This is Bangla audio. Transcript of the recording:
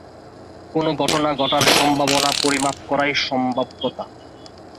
কোনো ঘটনা ঘটার সম্ভাবনা পরিমাপ করাই সম্ভাব্যতা।